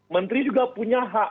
menteri juga punya hak